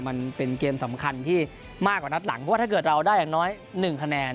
มันเป็นเกมสำคัญที่มากกว่านัดหลังเพราะว่าถ้าเกิดเราได้อย่างน้อย๑คะแนน